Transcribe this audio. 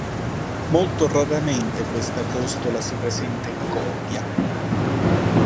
Molto raramente, questa costola si presenta in coppia.